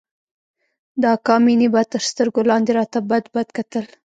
د اکا مينې به تر سترگو لاندې راته بدبد کتل.